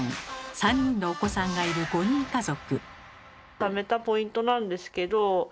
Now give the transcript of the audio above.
３人のお子さんがいる５人家族。